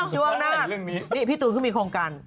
ช่วงหน้านี่พี่ตูนเขามีโครงการ